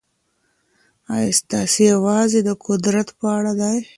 آیا سیاست یوازې د قدرت په اړه دی؟